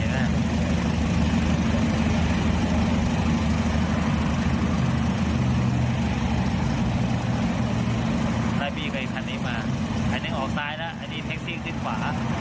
รายบีกับอีกคันนี้มาอันนี้ออกซ้ายแล้วอันนี้แท็กซี่ขึ้นขวา